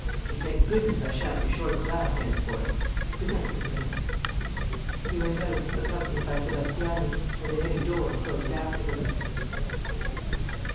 And, thank goodness, I shan't be short of that, henceforth! Good night, Daubrecq." He went out, accompanied by Sébastiani, and the heavy door closed after them.